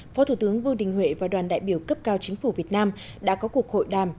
phó thủ tướng vương đình huệ và đoàn đại biểu cấp cao chính phủ việt nam đã có cuộc hội đàm